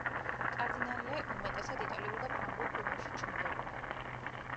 კარდინალე უმეტესად იტალიურ და ფრანგულ ფილმებში ჩნდებოდა.